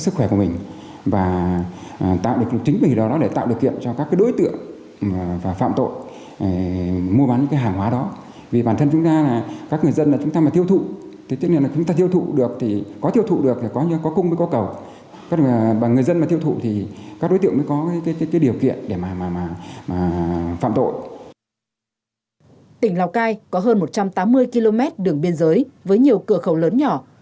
tỉnh lào cai có hơn một trăm tám mươi km đường biên giới với nhiều cửa khẩu lớn nhỏ